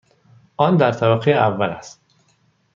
آن در طبقه اول است.